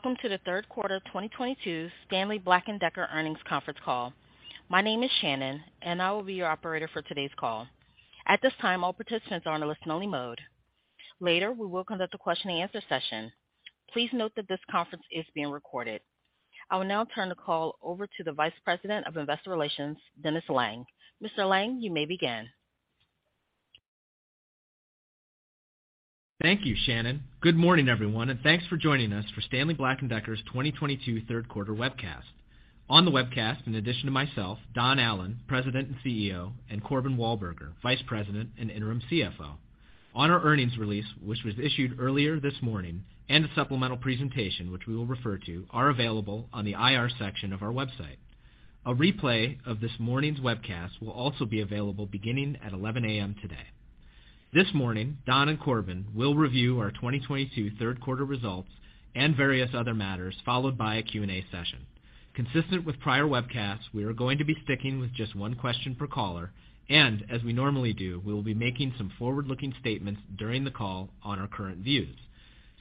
Welcome to the third quarter of 2022 Stanley Black & Decker earnings conference call. My name is Shannon, and I will be your operator for today's call. At this time, all participants are in a listen-only mode. Later, we will conduct a question and answer session. Please note that this conference is being recorded. I will now turn the call over to the Vice President of Investor Relations, Dennis Lange. Mr. Lange, you may begin. Thank you, Shannon. Good morning, everyone, and thanks for joining us for Stanley Black & Decker's 2022 third quarter webcast. On the webcast, in addition to myself, Don Allan, President and CEO, and Corbin Walburger, Vice President and Interim CFO. On our earnings release, which was issued earlier this morning, and a supplemental presentation, which we will refer to, are available on the IR section of our website. A replay of this morning's webcast will also be available beginning at 11 A.M. today. This morning, Don and Corbin will review our 2022 third quarter results and various other matters, followed by a Q&A session. Consistent with prior webcasts, we are going to be sticking with just one question per caller, and as we normally do, we will be making some forward-looking statements during the call on our current views.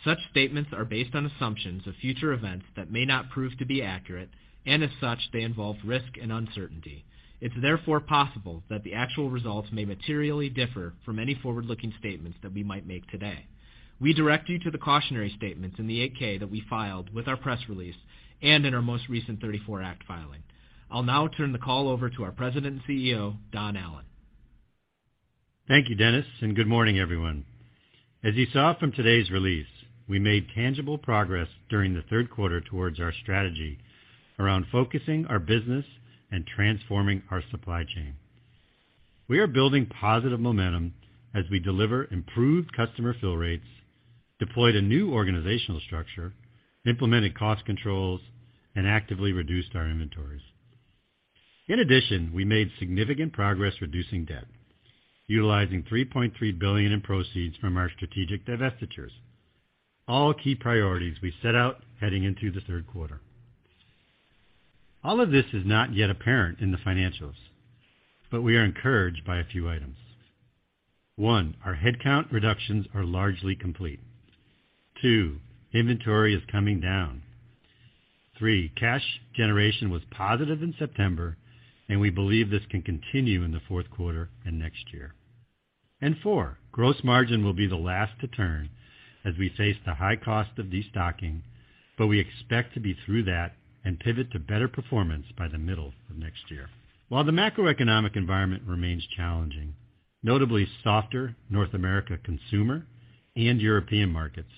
Such statements are based on assumptions of future events that may not prove to be accurate, and as such, they involve risk and uncertainty. It's therefore possible that the actual results may materially differ from any forward-looking statements that we might make today. We direct you to the cautionary statements in the 8-K that we filed with our press release and in our most recent 34 Act filing. I'll now turn the call over to our President and CEO, Don Allan. Thank you, Dennis, and good morning, everyone. As you saw from today's release, we made tangible progress during the third quarter towards our strategy around focusing our business and transforming our supply chain. We are building positive momentum as we deliver improved customer fill rates, deployed a new organizational structure, implemented cost controls, and actively reduced our inventories. In addition, we made significant progress reducing debt, utilizing $3.3 billion in proceeds from our strategic divestitures, all key priorities we set out heading into the third quarter. All of this is not yet apparent in the financials, but we are encouraged by a few items. One, our headcount reductions are largely complete. Two, inventory is coming down. Three, cash generation was positive in September, and we believe this can continue in the fourth quarter and next year. Four, gross margin will be the last to turn as we face the high cost of destocking, but we expect to be through that and pivot to better performance by the middle of next year. While the macroeconomic environment remains challenging, notably softer North America consumer and European markets,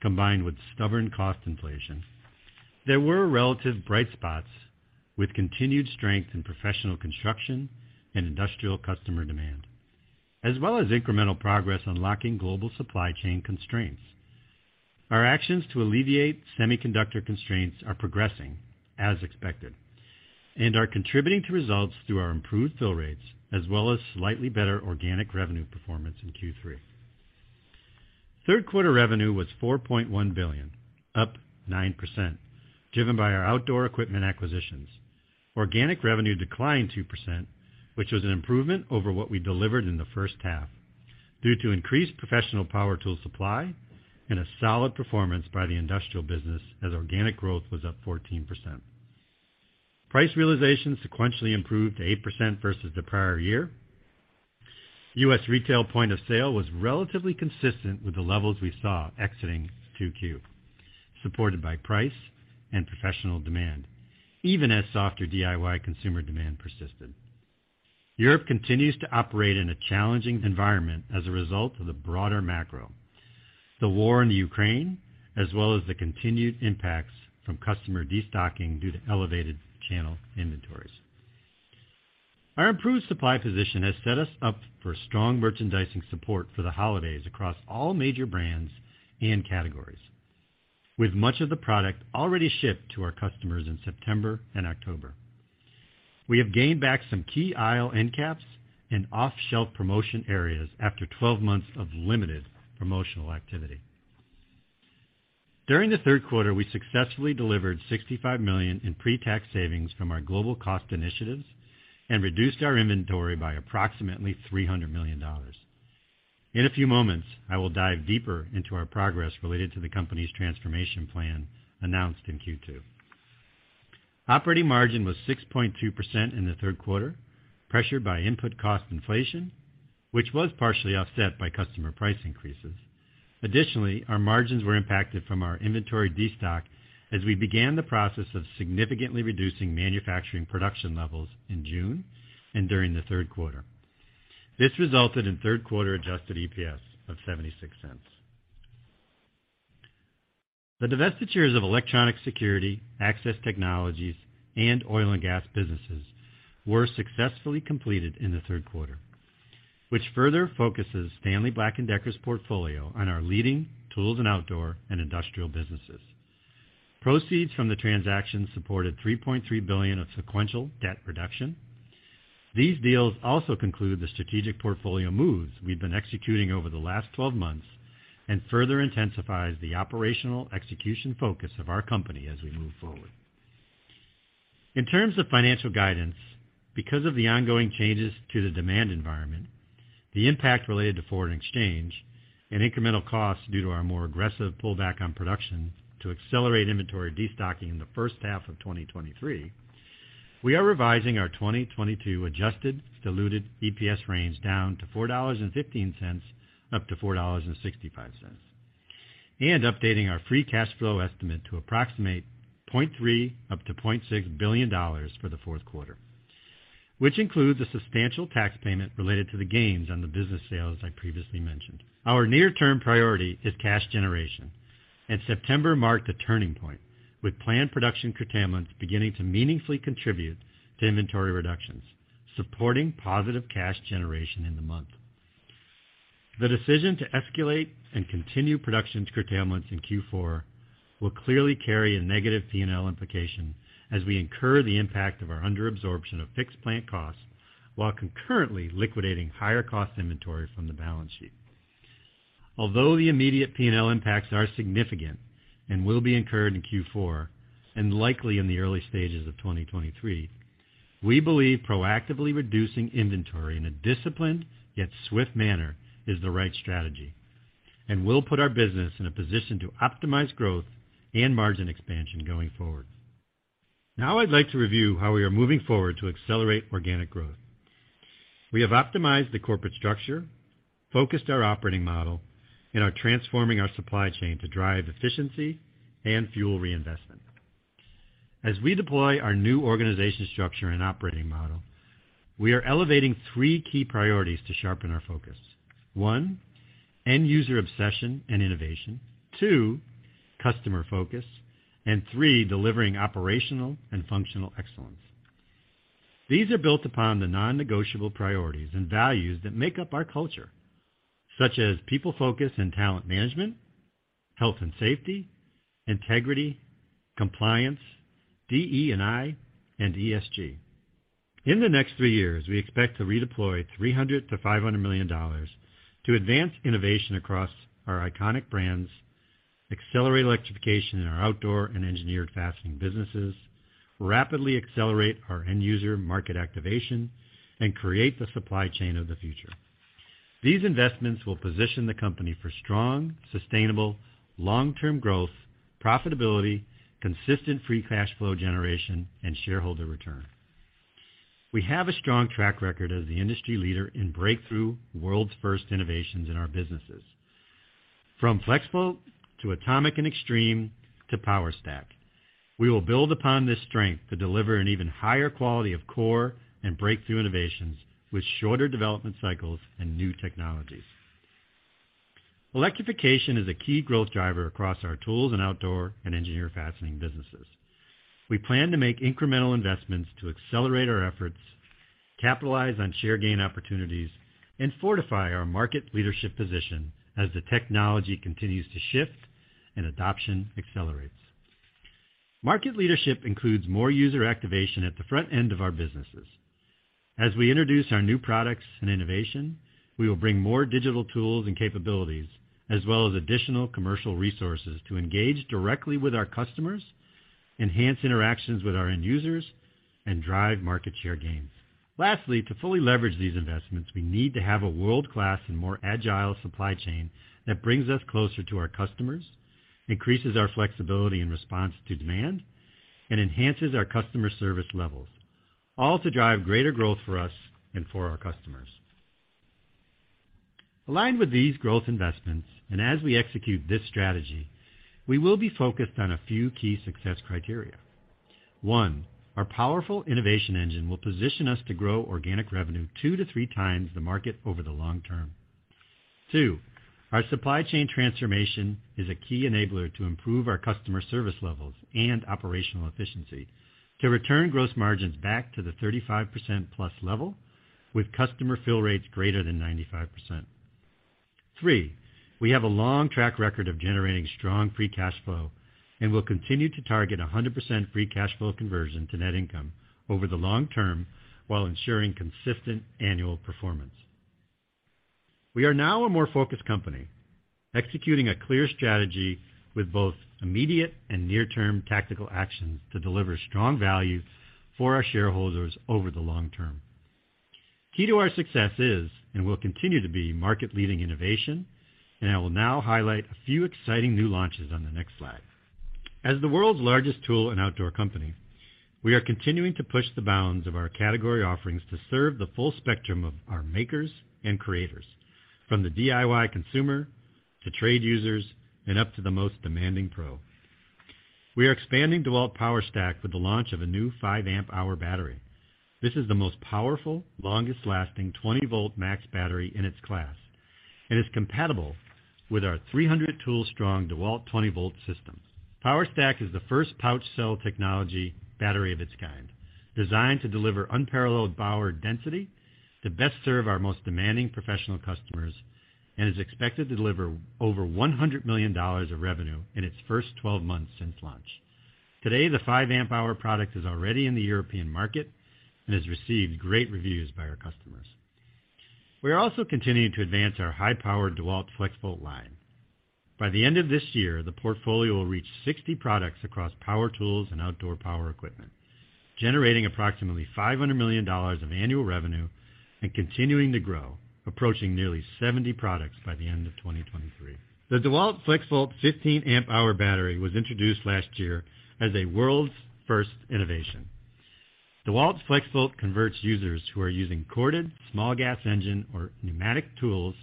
combined with stubborn cost inflation, there were relative bright spots with continued strength in professional construction and industrial customer demand, as well as incremental progress unlocking global supply chain constraints. Our actions to alleviate semiconductor constraints are progressing as expected and are contributing to results through our improved fill rates as well as slightly better organic revenue performance in Q3. Third quarter revenue was $4.1 billion, up 9%, driven by our outdoor equipment acquisitions. Organic revenue declined 2%, which was an improvement over what we delivered in the H1 due to increased professional power tool supply and a solid performance by the industrial business as organic growth was up 14%. Price realization sequentially improved to 8% versus the prior year. U.S. retail point of sale was relatively consistent with the levels we saw exiting 2Q, supported by price and professional demand, even as softer DIY consumer demand persisted. Europe continues to operate in a challenging environment as a result of the broader macro, the war in Ukraine, as well as the continued impacts from customer destocking due to elevated channel inventories. Our improved supply position has set us up for strong merchandising support for the holidays across all major brands and categories, with much of the product already shipped to our customers in September and October. We have gained back some key aisle end caps and off-shelf promotion areas after 12 months of limited promotional activity. During the third quarter, we successfully delivered $65 million in pre-tax savings from our global cost initiatives and reduced our inventory by approximately $300 million. In a few moments, I will dive deeper into our progress related to the company's transformation plan announced in Q2. Operating margin was 6.2% in the third quarter, pressured by input cost inflation, which was partially offset by customer price increases. Additionally, our margins were impacted from our inventory destock as we began the process of significantly reducing manufacturing production levels in June and during the third quarter. This resulted in third quarter adjusted EPS of $0.76. The divestitures of electronic security, access technologies, and oil and gas businesses were successfully completed in the third quarter, which further focuses Stanley Black & Decker's portfolio on our leading tools and outdoor and industrial businesses. Proceeds from the transaction supported $3.3 billion of sequential debt reduction. These deals also conclude the strategic portfolio moves we've been executing over the last 12 months and further intensifies the operational execution focus of our company as we move forward. In terms of financial guidance, because of the ongoing changes to the demand environment, the impact related to foreign exchange and incremental costs due to our more aggressive pullback on production to accelerate inventory destocking in the H1 of 2023, we are revising our 2022 adjusted diluted EPS range down to $4.15-$4.65, and updating our free cash flow estimate to approximately $0.3-$0.6 billion for the fourth quarter, which includes a substantial tax payment related to the gains on the business sale as I previously mentioned. Our near-term priority is cash generation, and September marked a turning point, with planned production curtailments beginning to meaningfully contribute to inventory reductions, supporting positive cash generation in the month. The decision to escalate and continue production curtailments in Q4 will clearly carry a negative P&L implication as we incur the impact of our under-absorption of fixed plant costs while concurrently liquidating higher cost inventory from the balance sheet. Although the immediate P&L impacts are significant and will be incurred in Q4 and likely in the early stages of 2023, we believe proactively reducing inventory in a disciplined yet swift manner is the right strategy and will put our business in a position to optimize growth and margin expansion going forward. Now I'd like to review how we are moving forward to accelerate organic growth. We have optimized the corporate structure, focused our operating model, and are transforming our supply chain to drive efficiency and fuel reinvestment. As we deploy our new organization structure and operating model, we are elevating three key priorities to sharpen our focus. One, end user obsession and innovation. Two, customer focus. Three, delivering operational and functional excellence. These are built upon the non-negotiable priorities and values that make up our culture, such as people focus and talent management, health and safety, integrity, compliance, DE&I, and ESG. In the next three years, we expect to redeploy $300 million-$500 million to advance innovation across our iconic brands, accelerate electrification in our outdoor and Engineered Fastening businesses, rapidly accelerate our end user market activation, and create the supply chain of the future. These investments will position the company for strong, sustainable, long-term growth, profitability, consistent free cash flow generation, and shareholder return. We have a strong track record as the industry leader in breakthrough world's first innovations in our businesses. From FLEXVOLT to ATOMIC and XTREME to POWERSTACK, we will build upon this strength to deliver an even higher quality of core and breakthrough innovations with shorter development cycles and new technologies. Electrification is a key growth driver across our tools and outdoor and Engineered Fastening businesses. We plan to make incremental investments to accelerate our efforts, capitalize on share gain opportunities, and fortify our market leadership position as the technology continues to shift and adoption accelerates. Market leadership includes more user activation at the front end of our businesses. As we introduce our new products and innovation, we will bring more digital tools and capabilities as well as additional commercial resources to engage directly with our customers, enhance interactions with our end users, and drive market share gains. Lastly, to fully leverage these investments, we need to have a world-class and more agile supply chain that brings us closer to our customers, increases our flexibility in response to demand, and enhances our customer service levels, all to drive greater growth for us and for our customers. Aligned with these growth investments and as we execute this strategy, we will be focused on a few key success criteria. One, our powerful innovation engine will position us to grow organic revenue 2-3 times the market over the long term. Two, our supply chain transformation is a key enabler to improve our customer service levels and operational efficiency to return gross margins back to the 35%+ level with customer fill rates greater than 95%. Three, we have a long track record of generating strong free cash flow and will continue to target 100% free cash flow conversion to net income over the long term while ensuring consistent annual performance. We are now a more focused company, executing a clear strategy with both immediate and near-term tactical actions to deliver strong value for our shareholders over the long term. Key to our success is and will continue to be market-leading innovation, and I will now highlight a few exciting new launches on the next slide. As the world's largest tool and outdoor company, we are continuing to push the bounds of our category offerings to serve the full spectrum of our makers and creators, from the DIY consumer to trade users and up to the most demanding pro. We are expanding DEWALT POWERSTACK with the launch of a new 5 amp hour battery. This is the most powerful, longest-lasting 20-volt max battery in its class and is compatible with our 300-tool-strong DEWALT 20-volt systems. POWERSTACK is the first pouch cell technology battery of its kind, designed to deliver unparalleled power density to best serve our most demanding professional customers and is expected to deliver over $100 million of revenue in its first 12 months since launch. Today, the 5 amp hour product is already in the European market and has received great reviews by our customers. We are also continuing to advance our high-powered DEWALT FLEXVOLT line. By the end of this year, the portfolio will reach 60 products across power tools and outdoor power equipment, generating approximately $500 million of annual revenue and continuing to grow, approaching nearly 70 products by the end of 2023. The DEWALT FLEXVOLT 15 amp hour battery was introduced last year as a world's first innovation. DEWALT FLEXVOLT converts users who are using corded small gas engine or pneumatic tools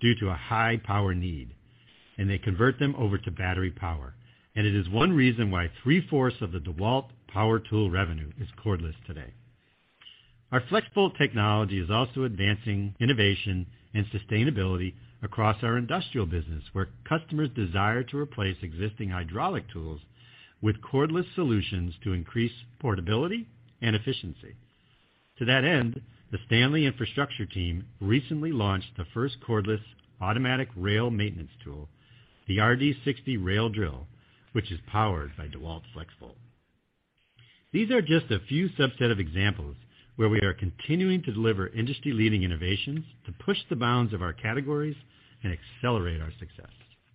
due to a high power need, and they convert them over to battery power. It is one reason why 3/4 of the DEWALT power tool revenue is cordless today. Our FLEXVOLT technology is also advancing innovation and sustainability across our industrial business, where customers desire to replace existing hydraulic tools with cordless solutions to increase portability and efficiency. To that end, the Stanley Infrastructure team recently launched the first cordless automatic rail maintenance tool, the RD60 Rail Drill, which is powered by DEWALT FLEXVOLT. These are just a few subset of examples where we are continuing to deliver industry-leading innovations to push the bounds of our categories and accelerate our success.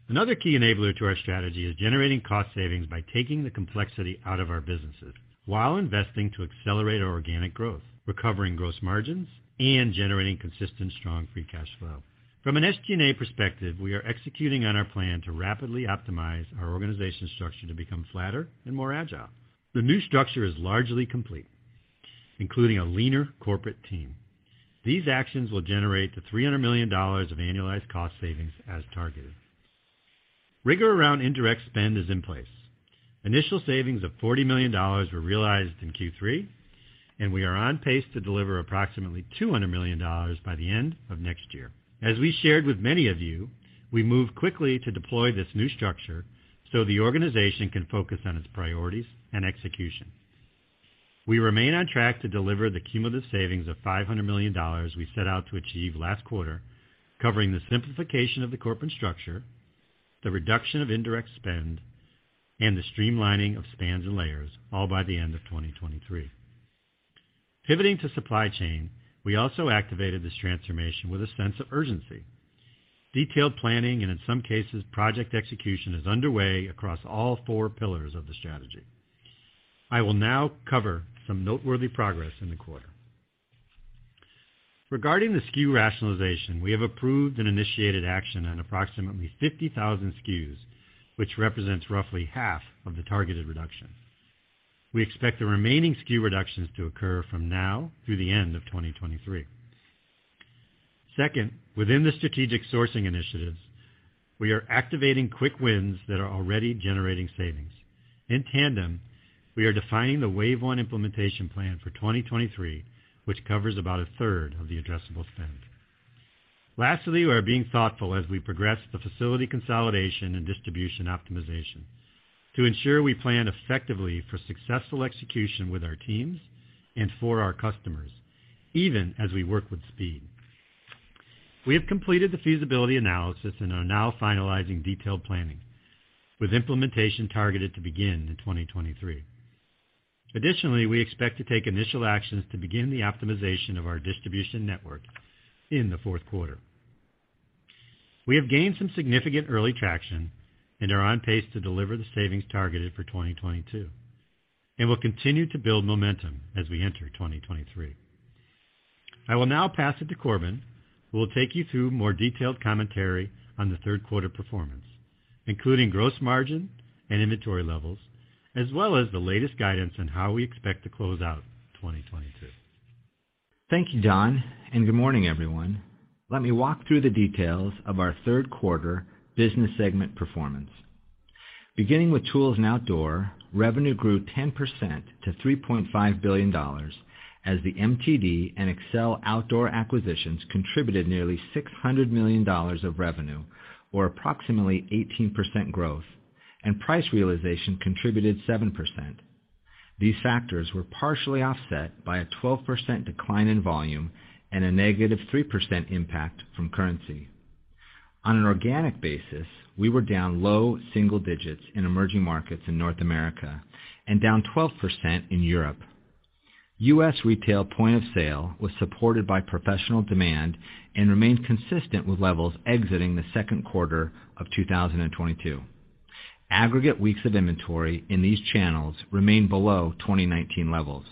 Another key enabler to our strategy is generating cost savings by taking the complexity out of our businesses while investing to accelerate our organic growth, recovering gross margins, and generating consistent strong free cash flow. From an SG&A perspective, we are executing on our plan to rapidly optimize our organization structure to become flatter and more agile. The new structure is largely complete, including a leaner corporate team. These actions will generate $300 million of annualized cost savings as targeted. Rigor around indirect spend is in place. Initial savings of $40 million were realized in Q3, and we are on pace to deliver approximately $200 million by the end of next year. As we shared with many of you, we moved quickly to deploy this new structure so the organization can focus on its priorities and execution. We remain on track to deliver the cumulative savings of $500 million we set out to achieve last quarter, covering the simplification of the corporate structure, the reduction of indirect spend, and the streamlining of spans and layers, all by the end of 2023. Pivoting to supply chain, we also activated this transformation with a sense of urgency. Detailed planning, and in some cases, project execution is underway across all four pillars of the strategy. I will now cover some noteworthy progress in the quarter. Regarding the SKU rationalization, we have approved and initiated action on approximately 50,000 SKUs, which represents roughly half of the targeted reduction. We expect the remaining SKU reductions to occur from now through the end of 2023. Second, within the strategic sourcing initiatives, we are activating quick wins that are already generating savings. In tandem, we are defining the wave one implementation plan for 2023, which covers about a third of the addressable spend. Lastly, we are being thoughtful as we progress the facility consolidation and distribution optimization to ensure we plan effectively for successful execution with our teams and for our customers, even as we work with speed. We have completed the feasibility analysis and are now finalizing detailed planning with implementation targeted to begin in 2023. Additionally, we expect to take initial actions to begin the optimization of our distribution network in the fourth quarter. We have gained some significant early traction and are on pace to deliver the savings targeted for 2022, and we'll continue to build momentum as we enter 2023. I will now pass it to Corbin, who will take you through more detailed commentary on the third quarter performance, including gross margin and inventory levels, as well as the latest guidance on how we expect to close out 2022. Thank you, Don, and good morning, everyone. Let me walk through the details of our third quarter business segment performance. Beginning with tools and outdoor, revenue grew 10% to $3.5 billion as the MTD and Excel Industries acquisitions contributed nearly $600 million of revenue, or approximately 18% growth, and price realization contributed 7%. These factors were partially offset by a 12% decline in volume and a negative 3% impact from currency. On an organic basis, we were down low single digits in emerging markets in North America and down 12% in Europe. U.S. retail point of sale was supported by professional demand and remained consistent with levels exiting the second quarter of 2022. Aggregate weeks of inventory in these channels remained below 2019 levels.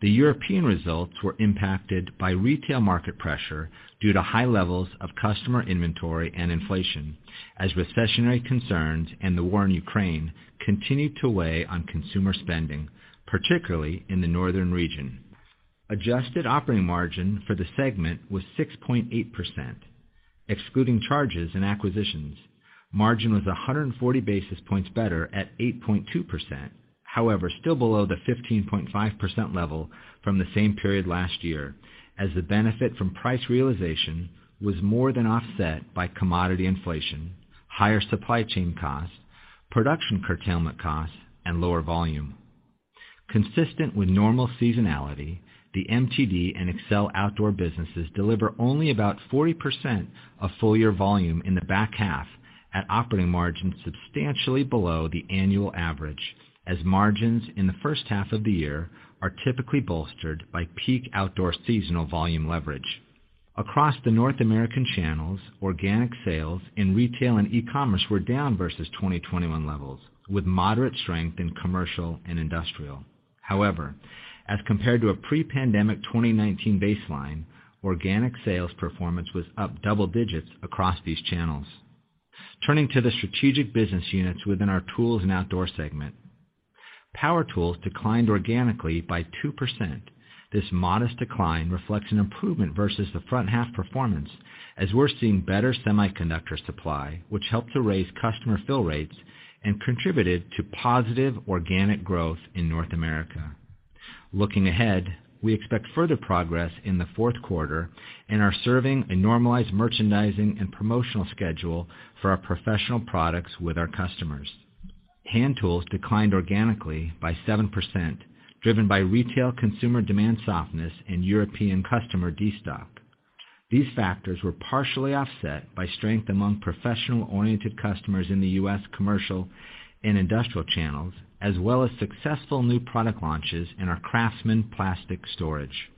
The European results were impacted by retail market pressure due to high levels of customer inventory and inflation, as recessionary concerns and the war in Ukraine continued to weigh on consumer spending, particularly in the northern region. Adjusted operating margin for the segment was 6.8%. Excluding charges and acquisitions, margin was 140 basis points better at 8.2%. However, still below the 15.5% level from the same period last year, as the benefit from price realization was more than offset by commodity inflation, higher supply chain costs, production curtailment costs, and lower volume. Consistent with normal seasonality, the MTD and Excel Industries businesses deliver only about 40% of full year volume in the back half. At operating margins substantially below the annual average as margins in the H1 of the year are typically bolstered by peak outdoor seasonal volume leverage. Across the North American channels, organic sales in retail and e-commerce were down versus 2021 levels, with moderate strength in commercial and industrial. However, as compared to a pre-pandemic 2019 baseline, organic sales performance was up double digits across these channels. Turning to the strategic business units within our tools and outdoor segment. Power tools declined organically by 2%. This modest decline reflects an improvement versus the front half performance as we're seeing better semiconductor supply, which helped to raise customer fill rates and contributed to positive organic growth in North America. Looking ahead, we expect further progress in the fourth quarter and are serving a normalized merchandising and promotional schedule for our professional products with our customers. Hand tools declined organically by 7%, driven by retail consumer demand softness and European customer destock. These factors were partially offset by strength among professional-oriented customers in the U.S. commercial and industrial channels, as well as successful new product launches in our Craftsman plastic storage.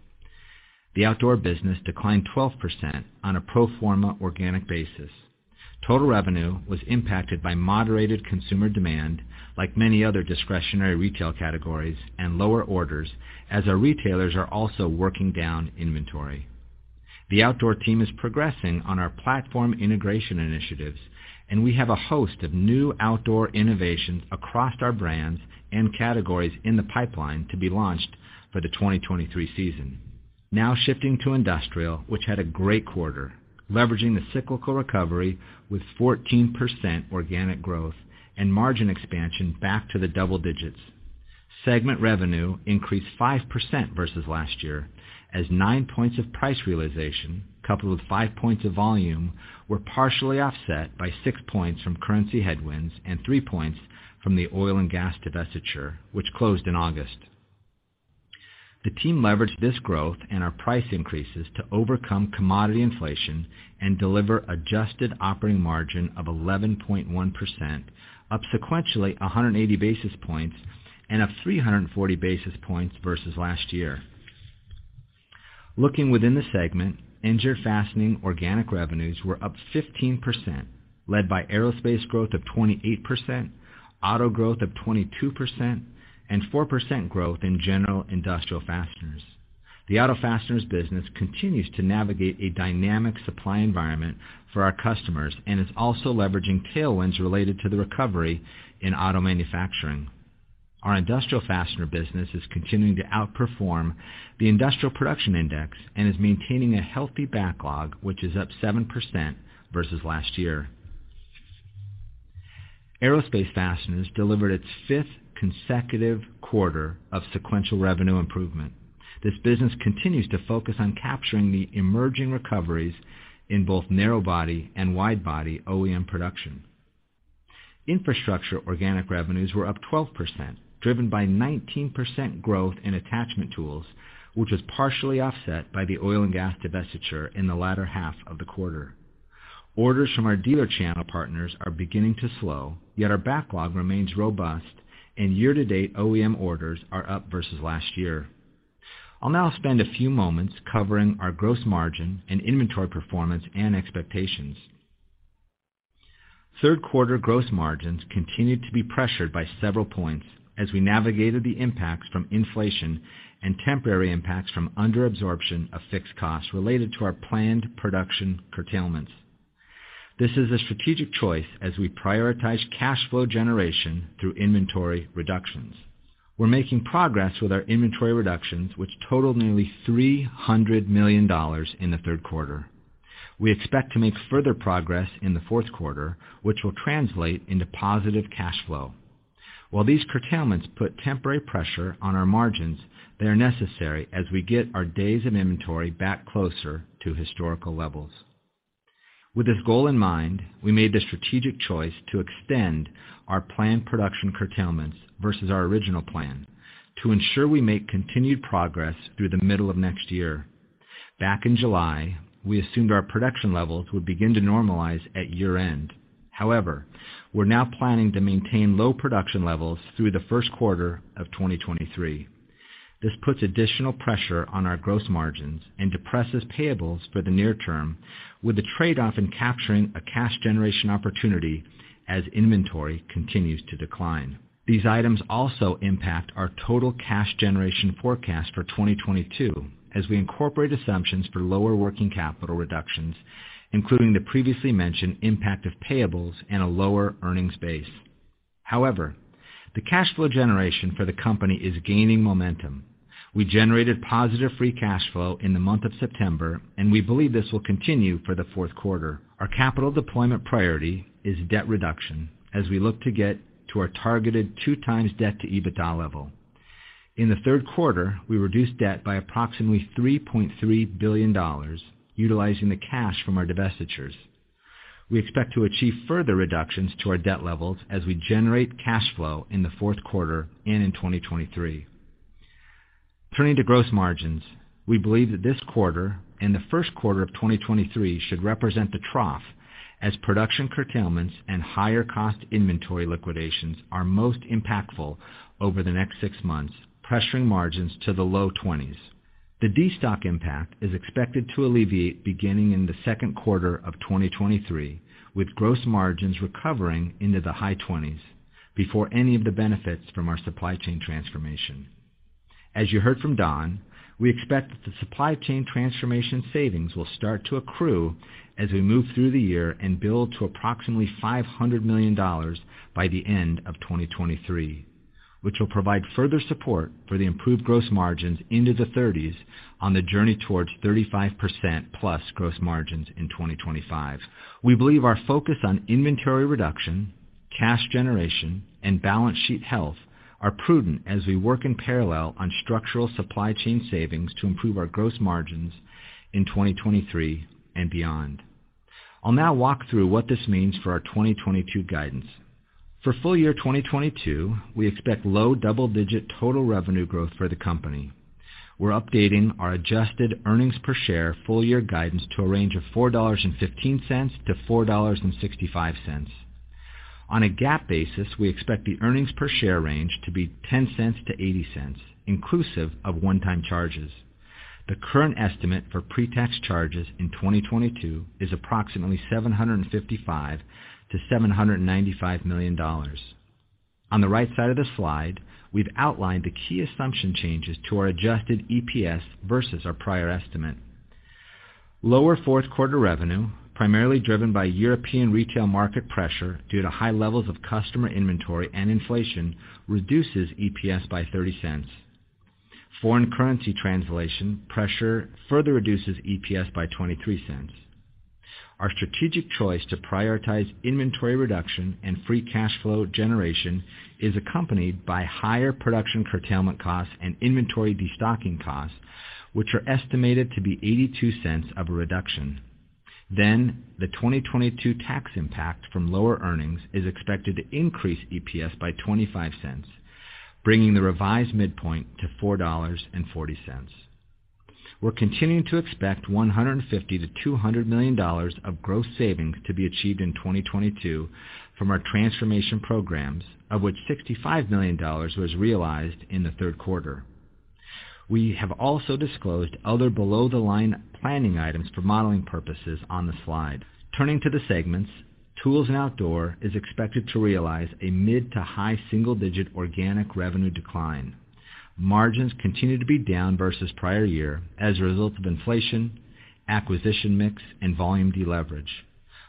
The outdoor business declined 12% on a pro forma organic basis. Total revenue was impacted by moderated consumer demand, like many other discretionary retail categories and lower orders, as our retailers are also working down inventory. The outdoor team is progressing on our platform integration initiatives, and we have a host of new outdoor innovations across our brands and categories in the pipeline to be launched for the 2023 season. Now shifting to industrial, which had a great quarter, leveraging the cyclical recovery with 14% organic growth and margin expansion back to the double digits. Segment revenue increased 5% versus last year as 9 points of price realization, coupled with 5 points of volume, were partially offset by 6 points from currency headwinds and 3 points from the oil and gas divestiture, which closed in August. The team leveraged this growth and our price increases to overcome commodity inflation and deliver adjusted operating margin of 11.1%, up sequentially 180 basis points and up 340 basis points versus last year. Looking within the segment, Engineered Fastening organic revenues were up 15%, led by aerospace growth of 28%, auto growth of 22%, and 4% growth in general industrial fasteners. The auto fasteners business continues to navigate a dynamic supply environment for our customers and is also leveraging tailwinds related to the recovery in auto manufacturing. Our industrial fastener business is continuing to outperform the Industrial Production Index and is maintaining a healthy backlog, which is up 7% versus last year. Aerospace fasteners delivered its fifth consecutive quarter of sequential revenue improvement. This business continues to focus on capturing the emerging recoveries in both narrow body and wide-body OEM production. Infrastructure organic revenues were up 12%, driven by 19% growth in attachment tools, which was partially offset by the oil and gas divestiture in the latter half of the quarter. Orders from our dealer channel partners are beginning to slow, yet our backlog remains robust and year-to-date OEM orders are up versus last year. I'll now spend a few moments covering our gross margin and inventory performance and expectations. Third quarter gross margins continued to be pressured by several points as we navigated the impacts from inflation and temporary impacts from under absorption of fixed costs related to our planned production curtailments. This is a strategic choice as we prioritize cash flow generation through inventory reductions. We're making progress with our inventory reductions, which totaled nearly $300 million in the third quarter. We expect to make further progress in the fourth quarter, which will translate into positive cash flow. While these curtailments put temporary pressure on our margins, they are necessary as we get our days of inventory back closer to historical levels. With this goal in mind, we made the strategic choice to extend our planned production curtailments versus our original plan to ensure we make continued progress through the middle of next year. Back in July, we assumed our production levels would begin to normalize at year-end. However, we're now planning to maintain low production levels through the first quarter of 2023. This puts additional pressure on our gross margins and depresses payables for the near term with the trade-off in capturing a cash generation opportunity as inventory continues to decline. These items also impact our total cash generation forecast for 2022 as we incorporate assumptions for lower working capital reductions, including the previously mentioned impact of payables and a lower earnings base. However, the cash flow generation for the company is gaining momentum. We generated positive free cash flow in the month of September, and we believe this will continue for the fourth quarter. Our capital deployment priority is debt reduction as we look to get to our targeted 2x debt-to-EBITDA level. In the third quarter, we reduced debt by approximately $3.3 billion utilizing the cash from our divestitures. We expect to achieve further reductions to our debt levels as we generate cash flow in the fourth quarter and in 2023. Turning to gross margins. We believe that this quarter and the first quarter of 2023 should represent the trough as production curtailments and higher cost inventory liquidations are most impactful over the next six months, pressuring margins to the low 20s%. The destock impact is expected to alleviate beginning in the second quarter of 2023, with gross margins recovering into the high 20s% before any of the benefits from our supply chain transformation. As you heard from Don, we expect that the supply chain transformation savings will start to accrue as we move through the year and build to approximately $500 million by the end of 2023, which will provide further support for the improved gross margins into the 30s% on the journey towards 35%+ gross margins in 2025. We believe our focus on inventory reduction, cash generation, and balance sheet health are prudent as we work in parallel on structural supply chain savings to improve our gross margins in 2023 and beyond. I'll now walk through what this means for our 2022 guidance. For full year 2022, we expect low double-digit total revenue growth for the company. We're updating our adjusted earnings per share full year guidance to a range of $4.15-$4.65. On a GAAP basis, we expect the earnings per share range to be $0.10-$0.80, inclusive of one-time charges. The current estimate for pre-tax charges in 2022 is approximately $755 million-$795 million. On the right side of the slide, we've outlined the key assumption changes to our adjusted EPS versus our prior estimate. Lower fourth quarter revenue, primarily driven by European retail market pressure due to high levels of customer inventory and inflation, reduces EPS by $0.30. Foreign currency translation pressure further reduces EPS by $0.23. Our strategic choice to prioritize inventory reduction and free cash flow generation is accompanied by higher production curtailment costs and inventory destocking costs, which are estimated to be $0.82 of a reduction. The 2022 tax impact from lower earnings is expected to increase EPS by $0.25, bringing the revised midpoint to $4.40. We're continuing to expect $150-$200 million of gross savings to be achieved in 2022 from our transformation programs, of which $65 million was realized in the third quarter. We have also disclosed other below-the-line planning items for modeling purposes on the slide. Turning to the segments, Tools & Outdoor is expected to realize a mid- to high single-digit% organic revenue decline. Margins continue to be down versus prior year as a result of inflation, acquisition mix, and volume deleverage.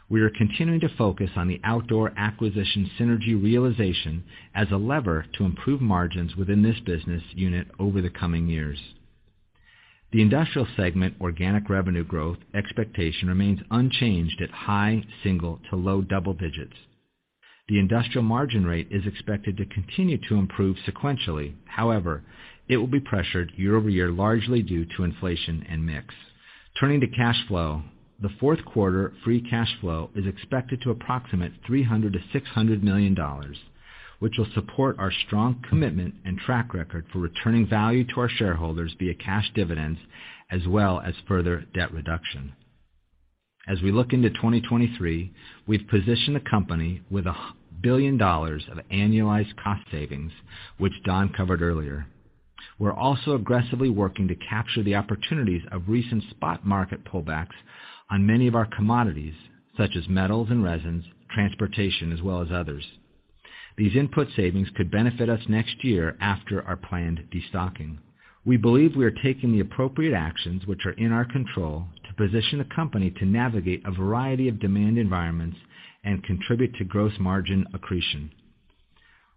We are continuing to focus on the outdoor acquisition synergy realization as a lever to improve margins within this business unit over the coming years. The Industrial segment organic revenue growth expectation remains unchanged at high single- to low double-digits. The Industrial margin rate is expected to continue to improve sequentially. However, it will be pressured year-over-year, largely due to inflation and mix. Turning to cash flow. The fourth quarter free cash flow is expected to approximate $300 million-$600 million, which will support our strong commitment and track record for returning value to our shareholders via cash dividends, as well as further debt reduction. As we look into 2023, we've positioned the company with a billion dollars of annualized cost savings, which Don covered earlier. We're also aggressively working to capture the opportunities of recent spot market pullbacks on many of our commodities, such as metals and resins, transportation, as well as others. These input savings could benefit us next year after our planned destocking. We believe we are taking the appropriate actions which are in our control to position the company to navigate a variety of demand environments and contribute to gross margin accretion.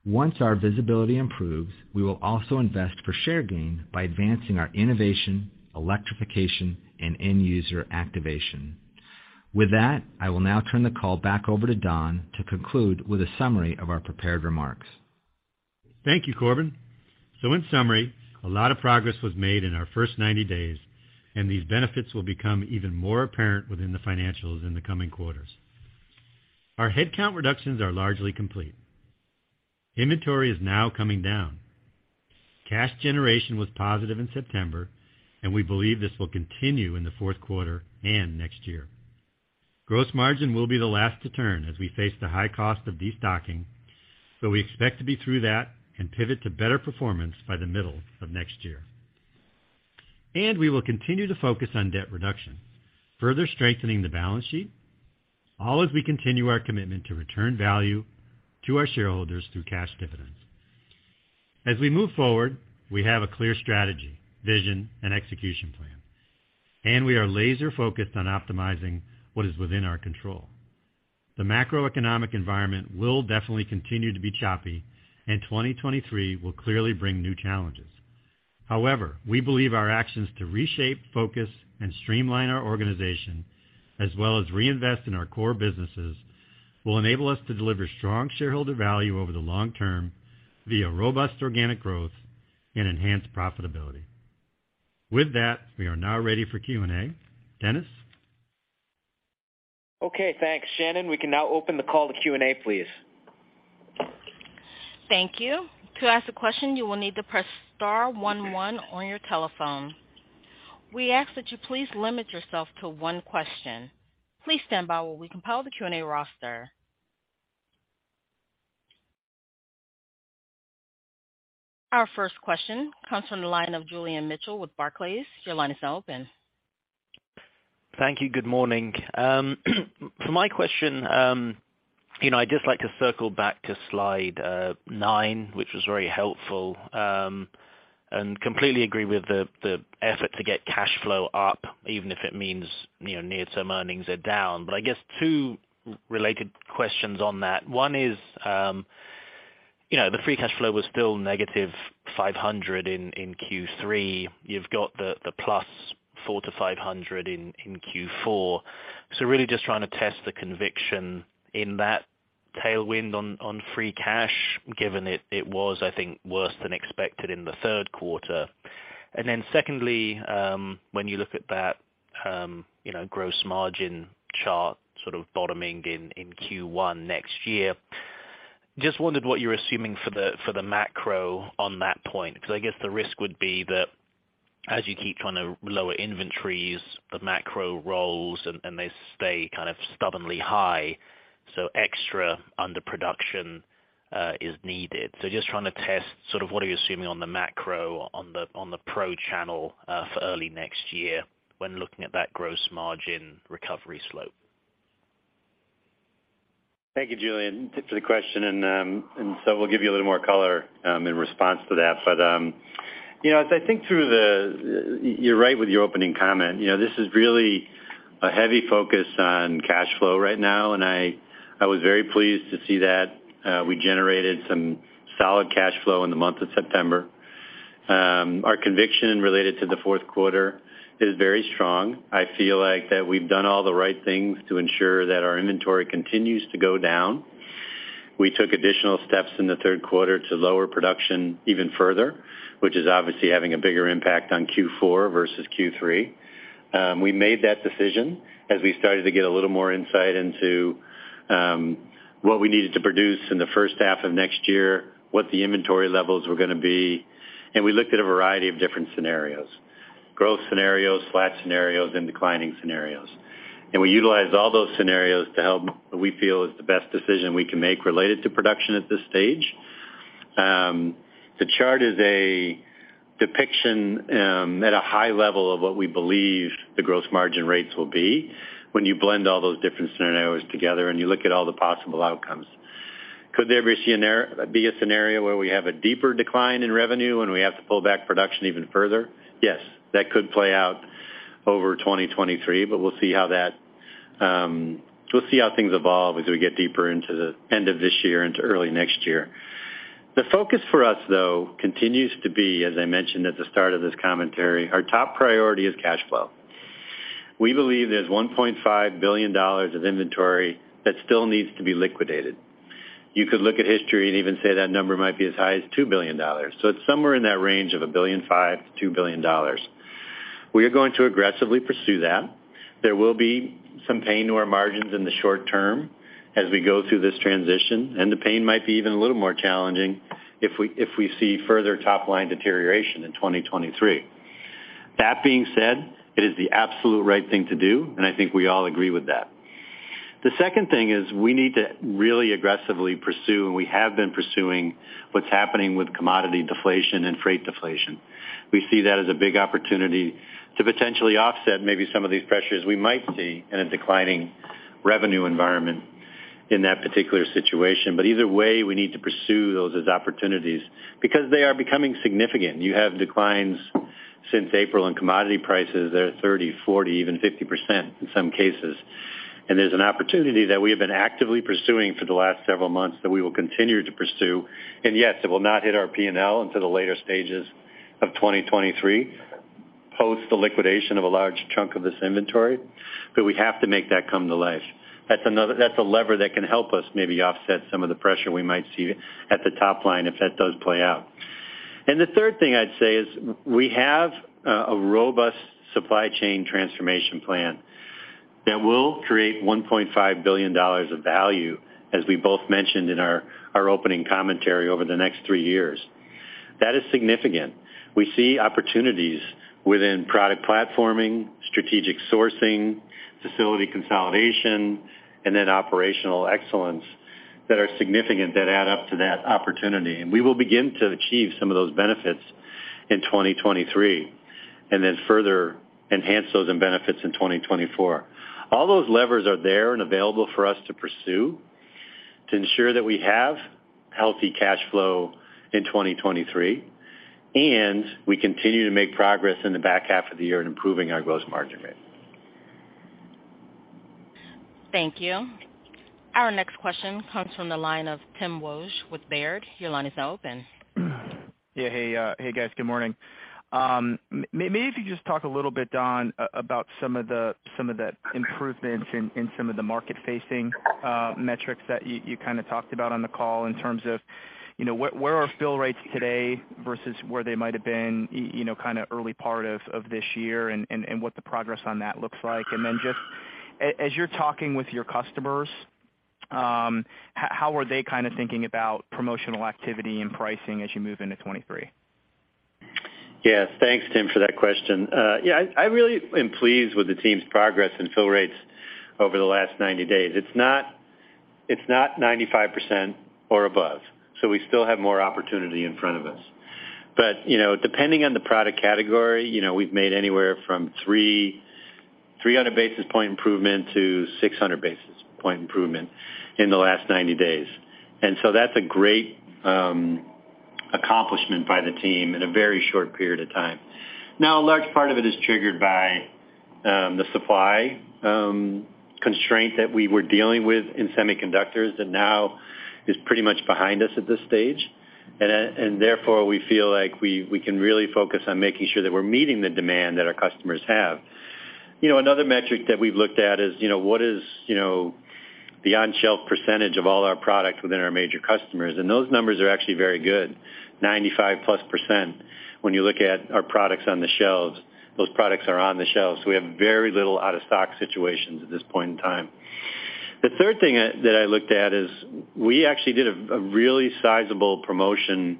Once our visibility improves, we will also invest for share gain by advancing our innovation, electrification, and end user activation. With that, I will now turn the call back over to Don to conclude with a summary of our prepared remarks. Thank you, Corbin. In summary, a lot of progress was made in our first 90 days, and these benefits will become even more apparent within the financials in the coming quarters. Our headcount reductions are largely complete. Inventory is now coming down. Cash generation was positive in September, and we believe this will continue in the fourth quarter and next year. Gross margin will be the last to turn as we face the high cost of destocking, so we expect to be through that and pivot to better performance by the middle of next year. We will continue to focus on debt reduction, further strengthening the balance sheet, all as we continue our commitment to return value to our shareholders through cash dividends. As we move forward, we have a clear strategy, vision, and execution plan, and we are laser focused on optimizing what is within our control. The macroeconomic environment will definitely continue to be choppy, and 2023 will clearly bring new challenges. However, we believe our actions to reshape, focus, and streamline our organization, as well as reinvest in our core businesses, will enable us to deliver strong shareholder value over the long term via robust organic growth and enhanced profitability. With that, we are now ready for Q&A. Dennis? Okay, thanks, Shannon. We can now open the call to Q&A, please. Thank you. To ask a question, you will need to press star one one on your telephone. We ask that you please limit yourself to one question. Please stand by while we compile the Q&A roster. Our first question comes from the line of Julian Mitchell with Barclays. Your line is now open. Thank you. Good morning. For my question I'd just like to circle back to slide 9, which was very helpful, and completely agree with the effort to get cash flow up, even if it means near-term some earnings are down. I guess two related questions on that. One is the free cash flow was still -$500 in Q3. You've got the +$400-$500 in Q4. Really just trying to test the conviction in that tailwind on free cash, given it was, I think, worse than expected in the third quarter. Secondly, when you look at that gross margin chart sort of bottoming in Q1 next year, just wondered what you're assuming for the macro on that point. 'Cause I guess the risk would be that as you keep trying to lower inventories, the macro rolls and they stay kind of stubbornly high, so extra underproduction is needed. Just trying to test sort of what are you assuming on the macro on the pro channel for early next year when looking at that gross margin recovery slope. Thank you, Julian, for the question. We'll give you a little more color in response to that. You know, you're right with your opening comment. You know, this is really a heavy focus on cash flow right now, and I was very pleased to see that we generated some solid cash flow in the month of September. Our conviction related to the fourth quarter is very strong. I feel like that we've done all the right things to ensure that our inventory continues to go down. We took additional steps in the third quarter to lower production even further, which is obviously having a bigger impact on Q4 versus Q3. We made that decision as we started to get a little more insight into what we needed to produce in the H1 of next year, what the inventory levels were gonna be, and we looked at a variety of different scenarios, growth scenarios, flat scenarios, and declining scenarios. We utilized all those scenarios to help what we feel is the best decision we can make related to production at this stage. The chart is a depiction at a high level of what we believe the gross margin rates will be when you blend all those different scenarios together and you look at all the possible outcomes. Could there ever be a scenario where we have a deeper decline in revenue and we have to pull back production even further? Yes, that could play out over 2023, but we'll see how that, we'll see how things evolve as we get deeper into the end of this year into early next year. The focus for us, though, continues to be, as I mentioned at the start of this commentary, our top priority is cash flow. We believe there's $1.5 billion of inventory that still needs to be liquidated. You could look at history and even say that number might be as high as $2 billion. So it's somewhere in that range of $1.5 billion-$2 billion. We are going to aggressively pursue that. There will be some pain to our margins in the short term as we go through this transition, and the pain might be even a little more challenging if we see further top line deterioration in 2023. That being said, it is the absolute right thing to do, and I think we all agree with that. The second thing is we need to really aggressively pursue, and we have been pursuing what's happening with commodity deflation and freight deflation. We see that as a big opportunity to potentially offset maybe some of these pressures we might see in a declining revenue environment in that particular situation. Either way, we need to pursue those as opportunities because they are becoming significant. You have declines since April in commodity prices that are 30, 40, even 50% in some cases. There's an opportunity that we have been actively pursuing for the last several months that we will continue to pursue. Yes, it will not hit our P&L until the later stages of 2023, post the liquidation of a large chunk of this inventory, but we have to make that come to life. That's a lever that can help us maybe offset some of the pressure we might see at the top line if that does play out. The third thing I'd say is we have a robust supply chain transformation plan that will create $1.5 billion of value, as we both mentioned in our opening commentary over the next three years. That is significant. We see opportunities within product platforming, strategic sourcing, facility consolidation, and then operational excellence that are significant that add up to that opportunity. We will begin to achieve some of those benefits in 2023, and then further enhance those benefits in 2024. All those levers are there and available for us to pursue to ensure that we have healthy cash flow in 2023, and we continue to make progress in the back half of the year in improving our gross margin rate. Thank you. Our next question comes from the line of Tim Wojs with Baird. Your line is now open. Yeah. Hey, guys. Good morning. Maybe if you just talk a little bit, Don, about some of the improvements in some of the market-facing metrics that you kinda talked about on the call in terms of where are fill rates today versus where they might have been kinda early part of this year and what the progress on that looks like. Then just as you're talking with your customers How are they kind of thinking about promotional activity and pricing as you move into 2023? Yes. Thanks, Tim, for that question. Yeah, I really am pleased with the team's progress and fill rates over the last 90 days. It's not 95% or above, so we still have more opportunity in front of us. You know, depending on the product category we've made anywhere from 300 basis point improvement to 600 basis point improvement in the last 90 days. That's a great accomplishment by the team in a very short period of time. Now, a large part of it is triggered by the supply constraint that we were dealing with in semiconductors that now is pretty much behind us at this stage. Therefore, we feel like we can really focus on making sure that we're meeting the demand that our customers have. You know, another metric that we've looked at is what is the on-shelf percentage of all our products within our major customers, and those numbers are actually very good, 95%+ when you look at our products on the shelves. Those products are on the shelves, so we have very little out-of-stock situations at this point in time. The third thing that I looked at is we actually did a really sizable promotion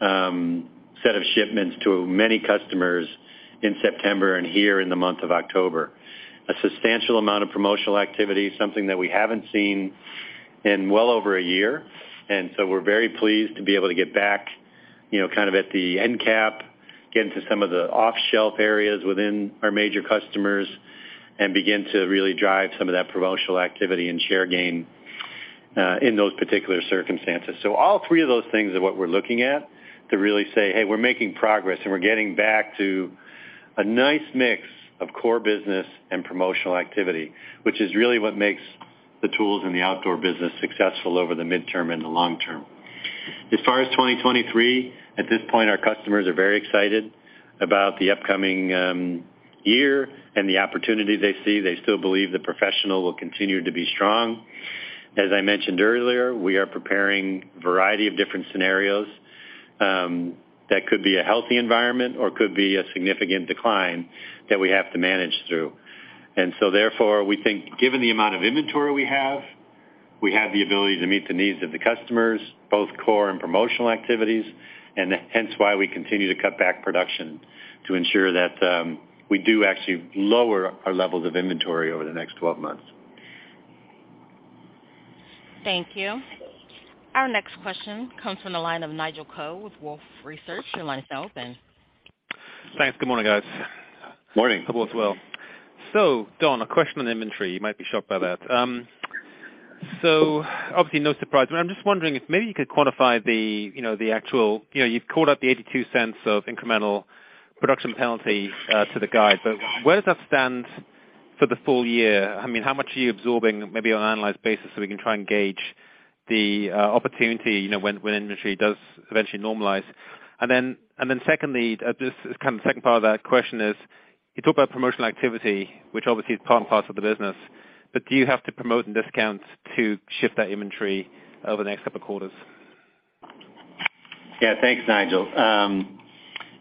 set of shipments to many customers in September and here in the month of October. A substantial amount of promotional activity, something that we haven't seen in well over a year, and so we're very pleased to be able to get back kind of at the end cap, get into some of the off-shelf areas within our major customers, and begin to really drive some of that promotional activity and share gain, in those particular circumstances. All three of those things are what we're looking at to really say, "Hey, we're making progress, and we're getting back to a nice mix of core business and promotional activity," which is really what makes the tools in the outdoor business successful over the midterm and the long term. As far as 2023, at this point, our customers are very excited about the upcoming, year and the opportunity they see. They still believe the professional will continue to be strong. As I mentioned earlier, we are preparing a variety of different scenarios that could be a healthy environment or could be a significant decline that we have to manage through. Therefore, we think given the amount of inventory we have, we have the ability to meet the needs of the customers, both core and promotional activities, and hence why we continue to cut back production to ensure that we do actually lower our levels of inventory over the next twelve months. Thank you. Our next question comes from the line of Nigel Coe with Wolfe Research. Your line is now open. Thanks. Good morning, guys. Morning. Hope all is well. Don, a question on inventory. You might be shocked by that. Obviously, no surprise, but I'm just wondering if maybe you could quantify you've called out the $0.82 of incremental production penalty to the guide, but where does that stand for the full year? I mean, how much are you absorbing maybe on an annualized basis so we can try and gauge the opportunity when inventory does eventually normalize? Secondly, this is kind of the second part of that question is, you talk about promotional activity, which obviously is part and parcel of the business, but do you have to promote and discount to shift that inventory over the next couple of quarters? Yeah. Thanks, Nigel.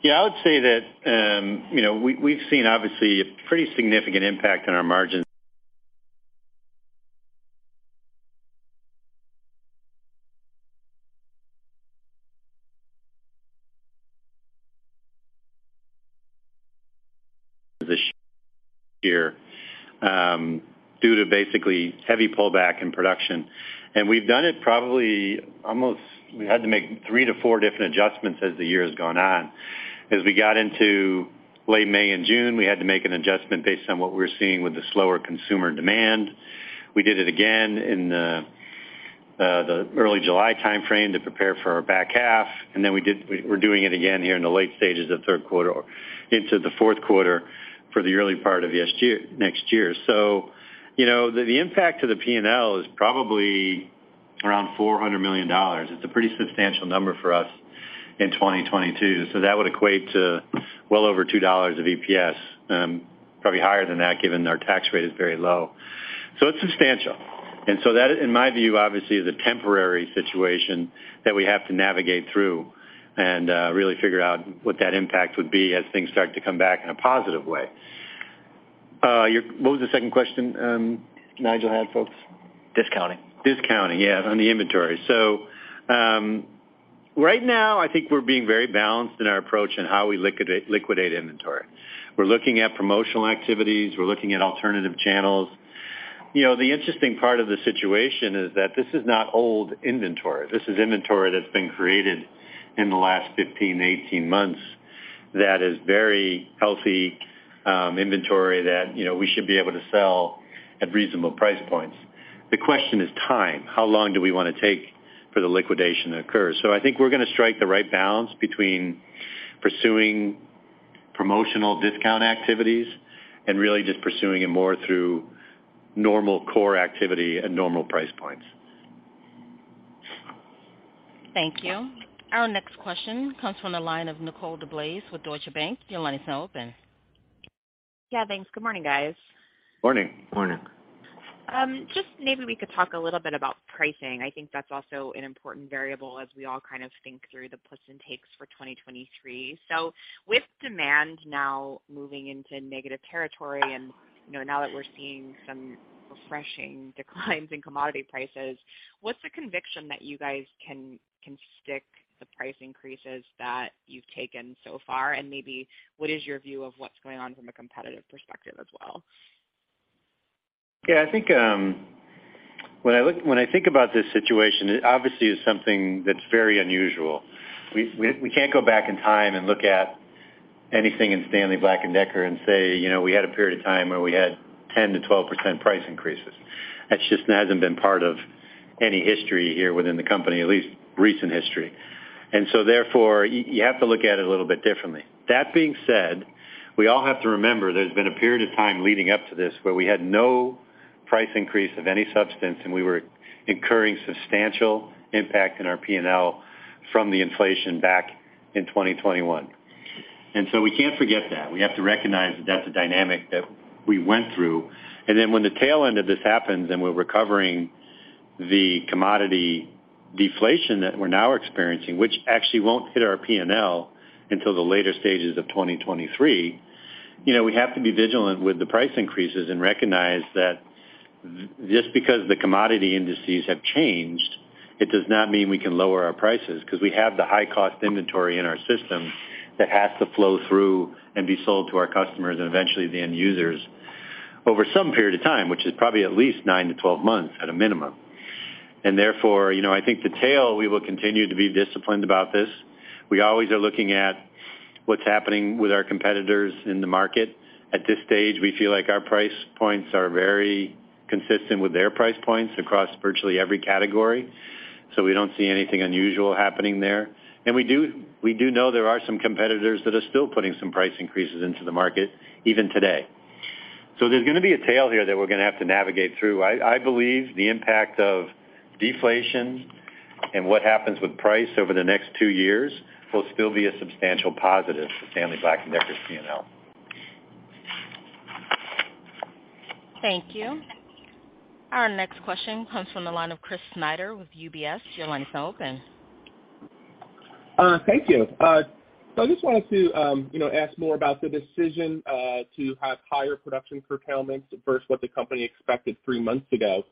Yeah, I would say that we've seen obviously a pretty significant impact on our margins this year due to basically heavy pullback in production. We've done it. We had to make three-four different adjustments as the year has gone on. As we got into late May and June, we had to make an adjustment based on what we were seeing with the slower consumer demand. We did it again in the early July timeframe to prepare for our back half, and then we're doing it again here in the late stages of third quarter into the fourth quarter for the early part of next year. so the impact to the P&L is probably around $400 million. It's a pretty substantial number for us in 2022. That would equate to well over $2 of EPS, probably higher than that given our tax rate is very low. It's substantial. That, in my view, obviously, is a temporary situation that we have to navigate through and really figure out what that impact would be as things start to come back in a positive way. What was the second question Nigel had, folks? Discounting. Discounting, yeah, on the inventory. Right now I think we're being very balanced in our approach in how we liquidate inventory. We're looking at promotional activities. We're looking at alternative channels. You know, the interesting part of the situation is that this is not old inventory. This is inventory that's been created in the last 15-18 months that is very healthy, inventory that we should be able to sell at reasonable price points. The question is time. How long do we wanna take for the liquidation to occur? I think we're gonna strike the right balance between pursuing promotional discount activities and really just pursuing it more through normal core activity at normal price points. Thank you. Our next question comes from the line of Nicole DeBlase with Deutsche Bank. Your line is now open. Yeah, thanks. Good morning, guys. Morning. Morning. Just maybe we could talk a little bit about pricing. I think that's also an important variable as we all kind of think through the puts and takes for 2023. With demand now moving into negative territory, and now that we're seeing some refreshing declines in commodity prices, what's the conviction that you guys can stick the price increases that you've taken so far? Maybe what is your view of what's going on from a competitive perspective as well? Yeah, I think when I think about this situation, it obviously is something that's very unusual. We can't go back in time and look at anything in Stanley Black & Decker and say, "You know, we had a period of time where we had 10%-12% price increases." That just hasn't been part of any history here within the company, at least recent history. Therefore, you have to look at it a little bit differently. That being said, we all have to remember there's been a period of time leading up to this where we had no price increase of any substance, and we were incurring substantial impact in our P&L from the inflation back in 2021. We can't forget that. We have to recognize that that's a dynamic that we went through. When the tail end of this happens and we're recovering the commodity deflation that we're now experiencing, which actually won't hit our P&L until the later stages of 2023 we have to be vigilant with the price increases and recognize that, just because the commodity indices have changed, it does not mean we can lower our prices, 'cause we have the high cost inventory in our system that has to flow through and be sold to our customers and eventually the end users over some period of time, which is probably at least 9-12 months at a minimum. therefore I think the tail, we will continue to be disciplined about this. We always are looking at what's happening with our competitors in the market. At this stage, we feel like our price points are very consistent with their price points across virtually every category, so we don't see anything unusual happening there. We do know there are some competitors that are still putting some price increases into the market even today. There's gonna be a tail here that we're gonna have to navigate through. I believe the impact of deflation and what happens with price over the next two years will still be a substantial positive for Stanley Black & Decker's P&L. Thank you. Our next question comes from the line of Chris Snyder with UBS. Your line is now open. Thank you. I just wanted to ask more about the decision to have higher production curtailment versus what the company expected three months ago.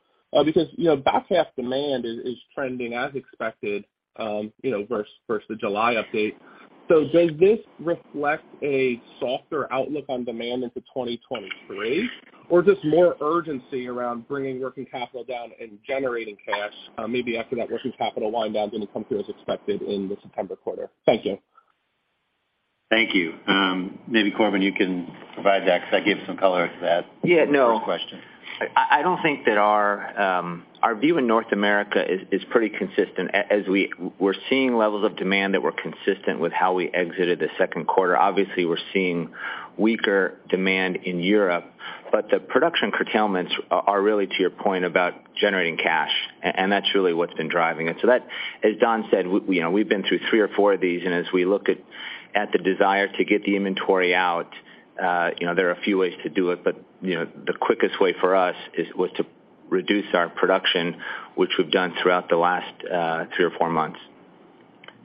because back half demand is trending as expected versus the July update. Does this reflect a softer outlook on demand into 2023, or just more urgency around bringing working capital down and generating cash, maybe after that working capital wind down didn't come through as expected in the September quarter? Thank you. Thank you. Maybe Corbin, you can provide that because I gave some color to that. Yeah, no. First question. I don't think that our view in North America is pretty consistent as we're seeing levels of demand that were consistent with how we exited the second quarter. Obviously, we're seeing weaker demand in Europe, but the production curtailments are really to your point about generating cash, and that's really what's been driving it. That, as Don said, we we've been through three or four of these, and as we look at the desire to get the inventory out there are a few ways to do it. You know, the quickest way for us was to reduce our production, which we've done throughout the last three or four months.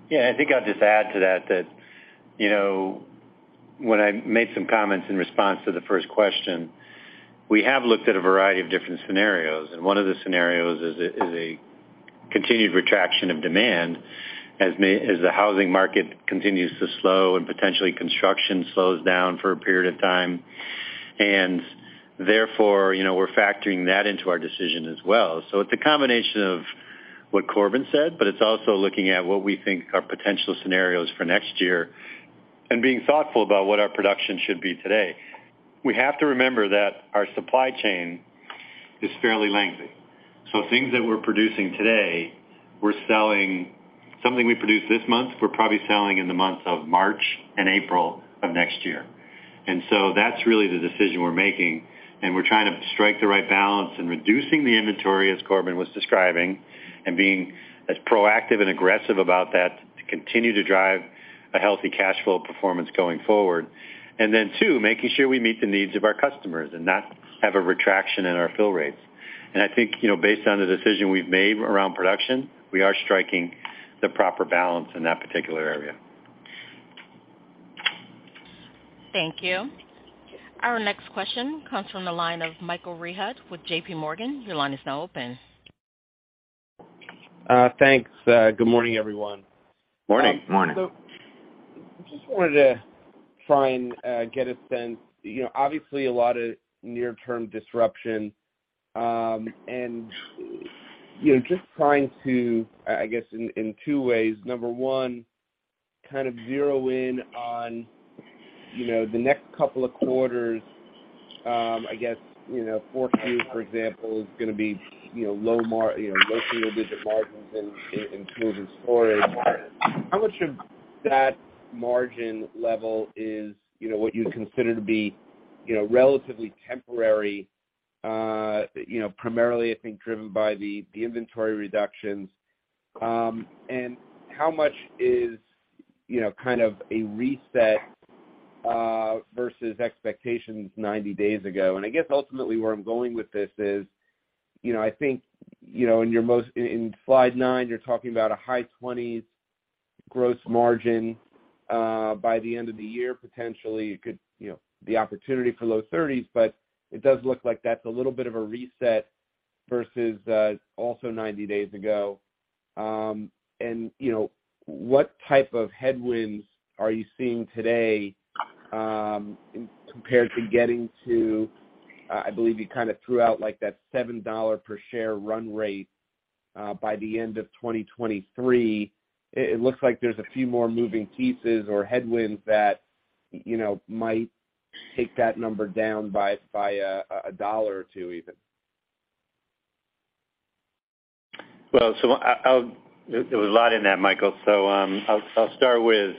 Yeah, I think I'll just add to that you know, when I made some comments in response to the first question, we have looked at a variety of different scenarios, and one of the scenarios is a continued contraction of demand as the housing market continues to slow and potentially construction slows down for a period of time. therefore we're factoring that into our decision as well. It's a combination of what Corbin said, but it's also looking at what we think are potential scenarios for next year and being thoughtful about what our production should be today. We have to remember that our supply chain is fairly lengthy. Things that we're producing today, we're selling something we produce this month, we're probably selling in the months of March and April of next year. that's really the decision we're making, and we're trying to strike the right balance in reducing the inventory, as Corbin was describing, and being as proactive and aggressive about that to continue to drive a healthy cash flow performance going forward. Then two, making sure we meet the needs of our customers and not have a retraction in our fill rates. I think based on the decision we've made around production, we are striking the proper balance in that particular area. Thank you. Our next question comes from the line of Michael Rehaut with JP Morgan. Your line is now open. Thanks. Good morning, everyone. Morning. Morning. Just wanted to try and get a sense. You know, obviously a lot of near-term disruption. You know, just trying to, I guess in two ways. Number one, kind of zero in on the next couple of quarters, I guess fourth quarter, for example, is gonna be low single digit margins in tools and storage. How much of that margin level is what you consider to be relatively temporary, primarily, I think, driven by the inventory reductions? And how much is kind of a reset versus expectations 90 days ago? I guess ultimately where I'm going with this is I think in your in slide nine, you're talking about a high 20s% gross margin by the end of the year, potentially it could the opportunity for low 30s%, but it does look like that's a little bit of a reset versus also 90 days ago. and what type of headwinds are you seeing today compared to getting to, I believe you kind of threw out like that $7 per share run rate by the end of 2023. It looks like there's a few more moving pieces or headwinds that might take that number down by a dollar or two even. There was a lot in that, Michael. I'll start with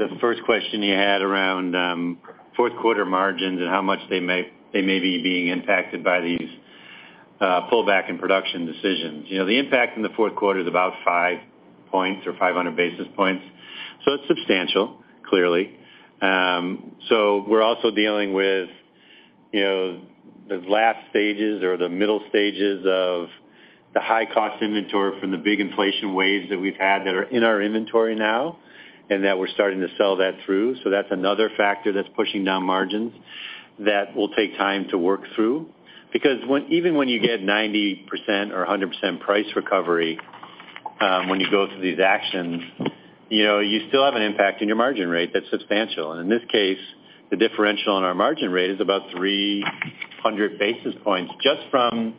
the first question you had around fourth quarter margins and how much they may be being impacted by these pullback in production decisions. You know, the impact in the fourth quarter is about 5 points or 500 basis points, so it's substantial, clearly. We're also dealing with the last stages or the middle stages of the high cost inventory from the big inflation waves that we've had that are in our inventory now and that we're starting to sell that through. That's another factor that's pushing down margins that will take time to work through. Even when you get 90% or 100% price recovery, when you go through these actions you still have an impact in your margin rate that's substantial. In this case, the differential in our margin rate is about 300 basis points just from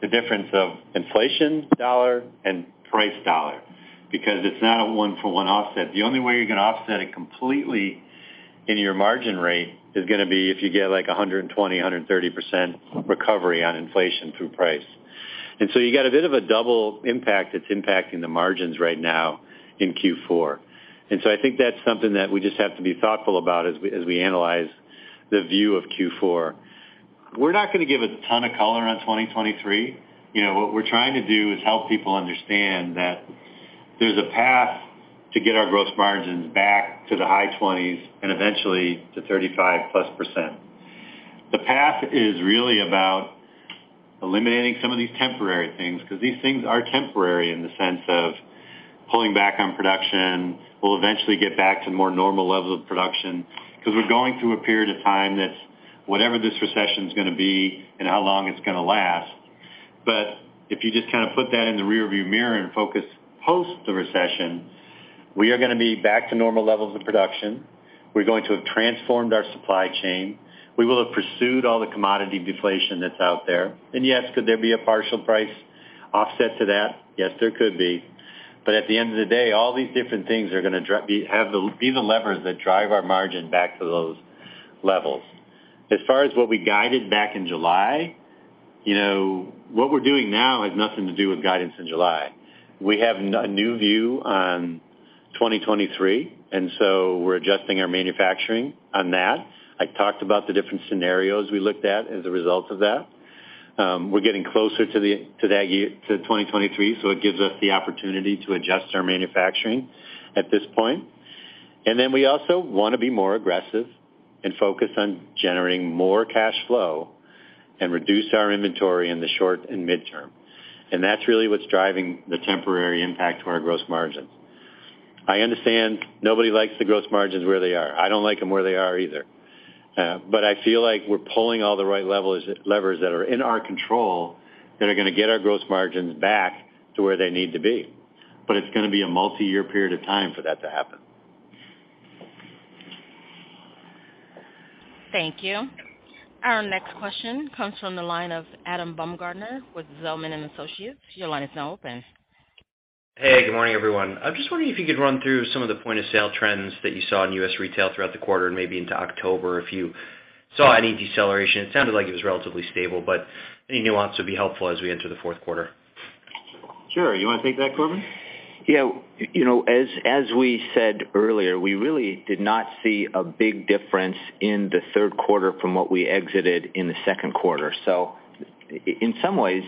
the difference of inflation dollar and price dollar, because it's not a one-for-one offset. The only way you're going to offset it completely in your margin rate is gonna be if you get like 120, 130% recovery on inflation through price. You got a bit of a double impact that's impacting the margins right now in Q4. I think that's something that we just have to be thoughtful about as we analyze the view of Q4. We're not gonna give a ton of color on 2023. You know, what we're trying to do is help people understand that there's a path to get our gross margins back to the high 20s and eventually to 35+%. The path is really about eliminating some of these temporary things, because these things are temporary in the sense of pulling back on production. We'll eventually get back to more normal levels of production because we're going through a period of time that's whatever this recession is gonna be and how long it's gonna last. If you just kind of put that in the rearview mirror and focus post the recession, we are gonna be back to normal levels of production. We're going to have transformed our supply chain. We will have pursued all the commodity deflation that's out there. Yes, could there be a partial price offset to that? Yes, there could be. At the end of the day, all these different things are gonna be the levers that drive our margin back to those levels. As far as what we guided back in july what we're doing now has nothing to do with guidance in July. We have a new view on 2023, and so we're adjusting our manufacturing on that. I talked about the different scenarios we looked at as a result of that. We're getting closer to that year, to 2023, so it gives us the opportunity to adjust our manufacturing at this point. We also wanna be more aggressive and focused on generating more cash flow and reduce our inventory in the short and mid-term. That's really what's driving the temporary impact to our gross margins. I understand nobody likes the gross margins where they are. I don't like them where they are either. I feel like we're pulling all the right levers that are in our control that are gonna get our gross margins back to where they need to be, but it's gonna be a multi-year period of time for that to happen. Thank you. Our next question comes from the line of Adam Baumgarten with Zelman & Associates. Your line is now open. Hey, good morning, everyone. I'm just wondering if you could run through some of the point of sale trends that you saw in U.S. retail throughout the quarter and maybe into October, if you saw any deceleration? It sounded like it was relatively stable, but any nuance would be helpful as we enter the fourth quarter. Sure. You wanna take that, Corbin? Yeah. You know, as we said earlier, we really did not see a big difference in the third quarter from what we exited in the second quarter. In some ways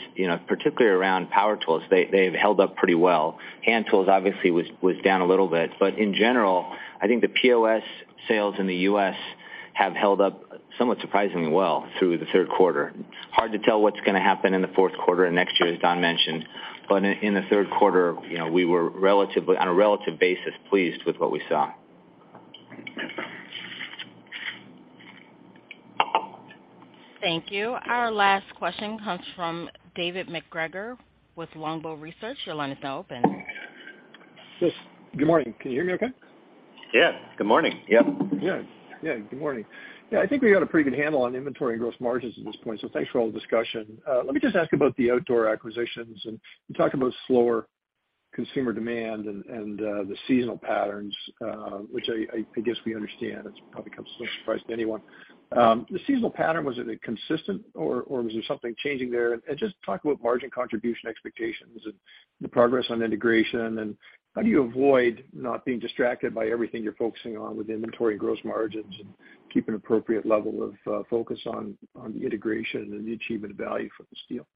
particularly around power tools, they've held up pretty well. Hand tools obviously was down a little bit. In general, I think the POS sales in the U.S. have held up somewhat surprisingly well through the third quarter. Hard to tell what's gonna happen in the fourth quarter and next year, as Don mentioned. In the third quarter we were relatively on a relative basis, pleased with what we saw. Thank you. Our last question comes from David MacGregor with Longbow Research. Your line is now open. Yes. Good morning. Can you hear me okay? Yes, good morning. Yep. Yeah. Yeah, good morning. Yeah, I think we got a pretty good handle on inventory and gross margins at this point, so thanks for all the discussion. Let me just ask about the outdoor acquisitions, and you talked about slower consumer demand and the seasonal patterns, which I guess we understand. It probably comes as no surprise to anyone. The seasonal pattern, was it consistent or was there something changing there? Just talk about margin contribution expectations and the progress on integration, and how do you avoid not being distracted by everything you're focusing on with inventory and gross margins and keep an appropriate level of focus on the integration and the achievement of value for this deal?